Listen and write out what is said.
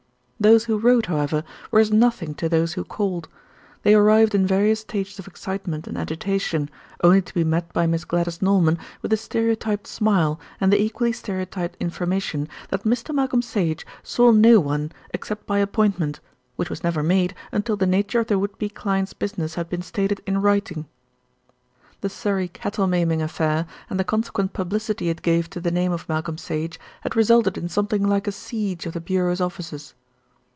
Those who wrote, however, were as nothing to those who called. They arrived in various stages of excitement and agitation, only to be met by Miss Gladys Norman with a stereotyped smile and the equally stereotyped information that Mr. Malcolm Sage saw no one except by appointment, which was never made until the nature of the would be client's business had been stated in writing. The Surrey cattle maiming affair, and the consequent publicity it gave to the name of Malcolm Sage, had resulted in something like a siege of the Bureau's offices.